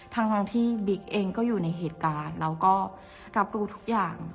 ทั้งที่บิ๊กเองก็อยู่ในเหตุการณ์แล้วก็รับรู้ทุกอย่าง